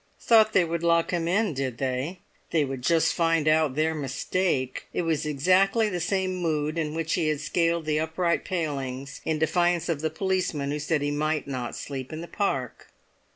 Thought they would lock him in, did they? They would just find out their mistake! It was exactly the same mood in which he had scaled the upright palings in defiance of the policeman who said he might not sleep in the Park.